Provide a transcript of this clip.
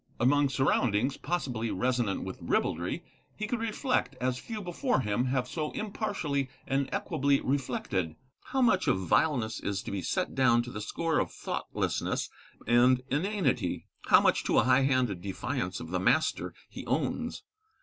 Among surroundings possibly resonant with ribaldry, he could reflect, as few before him have so impartially and equably reflected, how much of vileness is to be set down to the score of thoughtlessness and inanity, how much to a high handed defiance of the Master he owns.